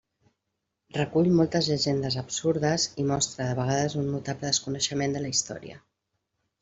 Recull moltes llegendes absurdes i mostra de vegades un notable desconeixement de la història.